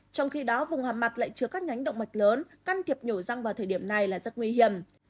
trong khi đó vùng hạ mặt lại chứa các nhánh động mạch lớn can thiệp nhổ răng vào thời điểm này là rất nguy hiểm